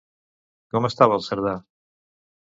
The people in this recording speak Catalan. Com estava el Cerdà?